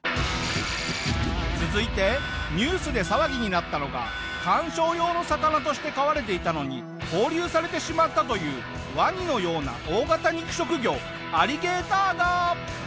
続いてニュースで騒ぎになったのが観賞用の魚として飼われていたのに放流されてしまったというワニのような大型肉食魚アリゲーターガー！